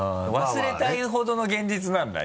忘れたいほどの現実なんだ？